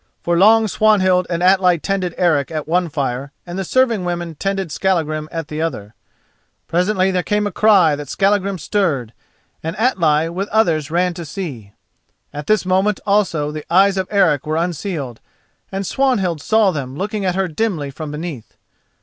For long Swanhild and Atli tended Eric at one fire, and the serving women tended Skallagrim at the other. Presently there came a cry that Skallagrim stirred, and Atli with others ran to see. At this moment also the eyes of Eric were unsealed, and Swanhild saw them looking at her dimly from beneath.